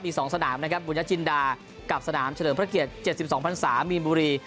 มี๒สนามนะครับบุญญจินดากับสนามเฉลิมพระเกียรติ๗๒พันศามีนบุรี